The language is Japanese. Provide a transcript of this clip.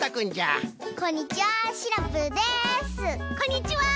こんにちは！